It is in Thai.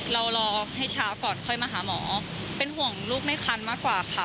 รอให้เช้าก่อนค่อยมาหาหมอเป็นห่วงลูกไม่ทันมากกว่าค่ะ